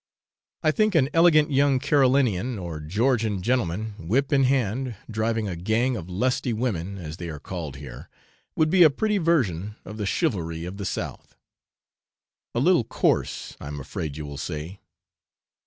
I think an elegant young Carolinian, or Georgian gentleman, whip in hand, driving a gang of 'lusty women,' as they are called here, would be a pretty version of the 'Chivalry of the South' a little coarse, I am afraid you will say.